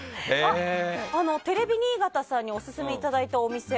テレビ新潟さんにオススメいただいたお店。